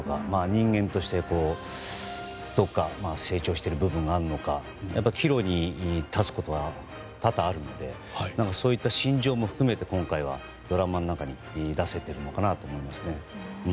人間として、どこか成長している部分があるのか岐路に立つことが多々あるのでそういった心情も含めて今回はドラマの中に出せているのかなと思いますね。